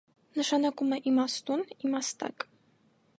Նշանակում է «իմաստուն, իմաստակ»։